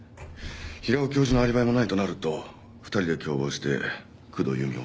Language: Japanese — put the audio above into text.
平尾教授のアリバイもないとなると２人で共謀して工藤由美を。